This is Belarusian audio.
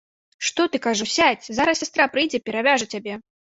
Што ты, кажу, сядзь, зараз сястра прыйдзе, перавяжа цябе.